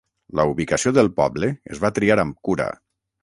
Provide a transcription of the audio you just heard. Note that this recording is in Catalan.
La ubicació del poble es va triar amb cura.